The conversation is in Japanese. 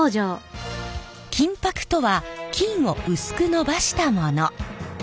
金箔とは金を薄くのばしたもの。